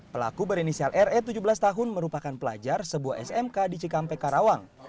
pelaku berinisial re tujuh belas tahun merupakan pelajar sebuah smk di cikampek karawang